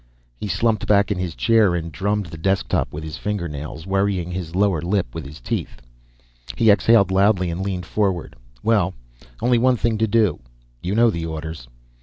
He slumped back in his chair and drummed the desk top with his fingernails, worrying his lower lip with his teeth. He exhaled loudly and leaned forward. "Well, only one thing to do. You know the orders."